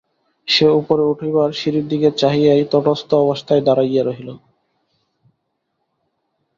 সে উপরে উঠিবার সিঁড়ির দিকে চাহিয়াই তটস্থ অবস্থায় দাঁড়াইয়া রহিল!